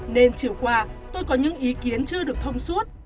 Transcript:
nên chiều qua tôi có những ý kiến chưa được thông suốt